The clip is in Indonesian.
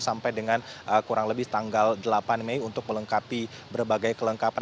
sampai dengan kurang lebih tanggal delapan mei untuk melengkapi berbagai kelengkapan